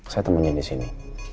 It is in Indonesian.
saya temenin disini